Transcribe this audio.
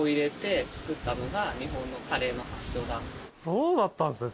そうだったんですね